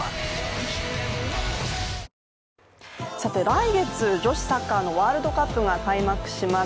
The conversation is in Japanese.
来月、女子サッカーのワールドカップが開幕します。